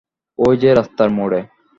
ওই যে রাস্তার মোড়ে।